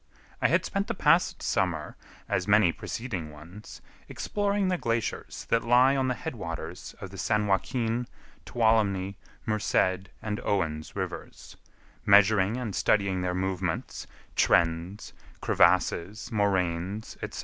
I had spent the past summer, as many preceding ones, exploring the glaciers that lie on the head waters of the San Joaquin, Tuolumne, Merced, and Owen's rivers; measuring and studying their movements, trends, crevasses, moraines, etc.